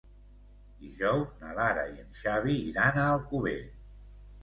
Dijous na Lara i en Xavi iran a Alcover.